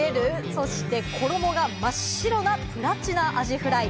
そして衣が真っ白なプラチナアジフライ。